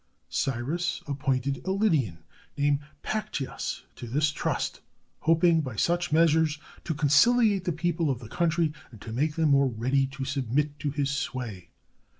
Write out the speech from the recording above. Cyrus appointed a Lydian named Pactyas to this trust, hoping by such measures to conciliate the people of the country, and to make them more ready to submit to his sway.